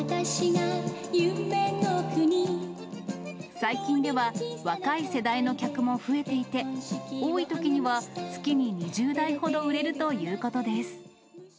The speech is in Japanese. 最近では若い世代の客も増えていて、多いときには月に２０台ほど売れるということです。